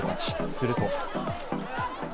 すると。